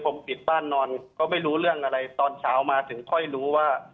ผมปิดบ้านนอนก็ไม่รู้เรื่องอะไรตอนเช้ามาถึงค่อยรู้ว่า